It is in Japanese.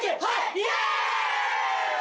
イエーイ！